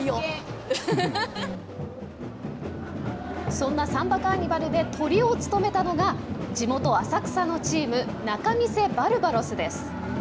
そんなサンバカーニバルでとりを務めたのが地元、浅草のチーム、仲見世バルバロスです。